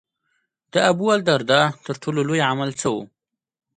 د ابوالدرداء تر ټولو لوی عمل څه و.